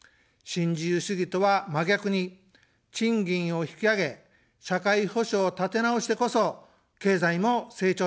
新自由主義とは、真逆に賃金を引き上げ、社会保障を立てなおしてこそ、経済も成長します。